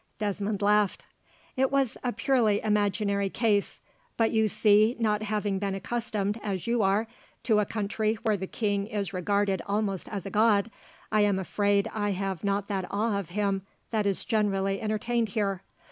Desmond laughed. "It was a purely imaginary case; but you see, not having been accustomed, as you are, to a country where the king is regarded almost as a god, I am afraid I have not that awe of him that is generally entertained here.